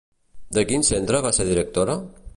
De quin centre va ser directora?